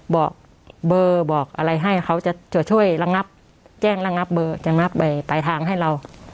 บอกเบอร์บอกอะไรให้เขาจะช่วยระงับแจ้งระงับเบอร์จะงับปลายทางให้เรา